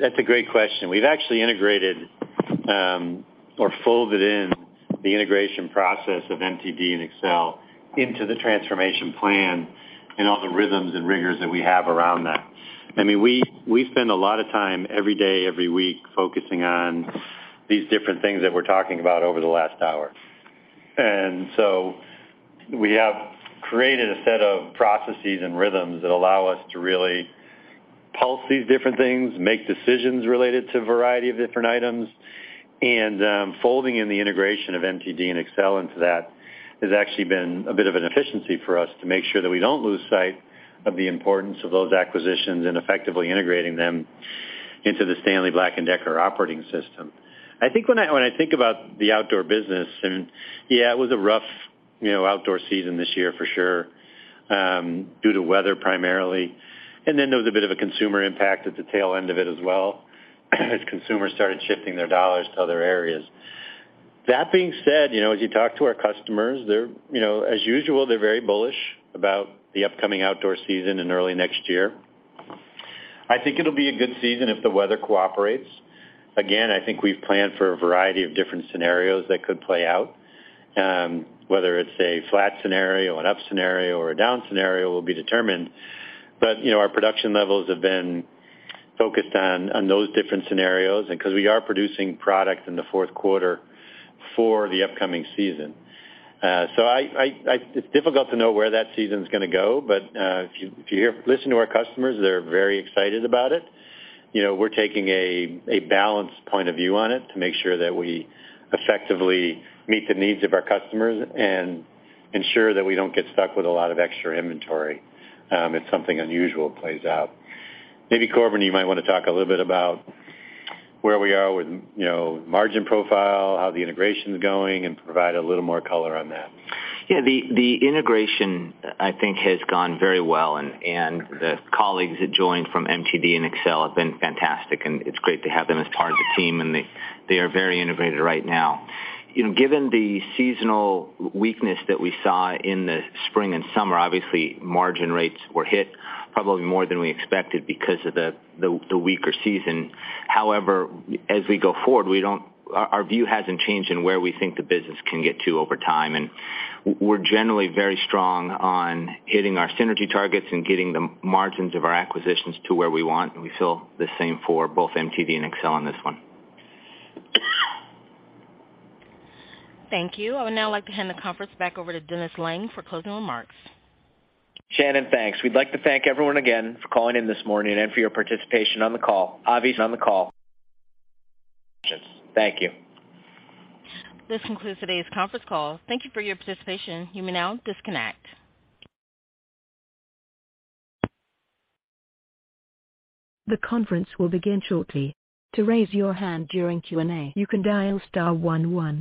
That's a great question. We've actually integrated or folded in the integration process of MTD and Excel into the transformation plan and all the rhythms and rigors that we have around that. I mean, we spend a lot of time every day, every week, focusing on these different things that we're talking about over the last hour. We have created a set of processes and rhythms that allow us to really pulse these different things, make decisions related to a variety of different items. Folding in the integration of MTD and Excel into that has actually been a bit of an efficiency for us to make sure that we don't lose sight of the importance of those acquisitions and effectively integrating them into the Stanley Black & Decker operating system. I think when I think about the outdoor business and, yeah, it was a rough outdoor season this year for sure, due to weather primarily. Then there was a bit of a consumer impact at the tail end of it as well as consumers started shifting their dollars to other areas. That being said as you talk to our customers, they're as usual, they're very bullish about the upcoming outdoor season and early next year. I think it'll be a good season if the weather cooperates. Again, I think we've planned for a variety of different scenarios that could play out, whether it's a flat scenario, an up scenario, or a down scenario will be determined. Our production levels have been focused on those different scenarios and because we are producing products in the fourth quarter for the upcoming season. It's difficult to know where that season's gonna go, but if you listen to our customers, they're very excited about it. You know, we're taking a balanced point of view on it to make sure that we effectively meet the needs of our customers and ensure that we don't get stuck with a lot of extra inventory if something unusual plays out. Maybe, Corbin, you might wanna talk a little bit about where we are with margin profile, how the integration's going, and provide a little more color on that. Yeah. The integration, I think, has gone very well and the colleagues that joined from MTD and Excel have been fantastic, and it's great to have them as part of the team, and they are very integrated right now. You know, given the seasonal weakness that we saw in the spring and summer, obviously margin rates were hit probably more than we expected because of the weaker season. However, as we go forward, our view hasn't changed in where we think the business can get to over time, and we're generally very strong on hitting our synergy targets and getting the margins of our acquisitions to where we want, and we feel the same for both MTD and Excel on this one. Thank you. I would now like to hand the conference back over to Dennis Lange for closing remarks. Shannon, thanks. We'd like to thank everyone again for calling in this morning and for your participation on the call. on the call. Thank you. This concludes today's conference call. Thank you for your participation. You may now disconnect. The conference will begin shortly. To raise your hand during Q&A, you can dial star one one.